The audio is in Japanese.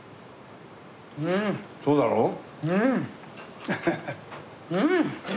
そうだろ？うん！